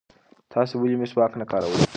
تاسې ولې مسواک نه کاروئ؟